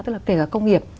tức là kể cả công nghiệp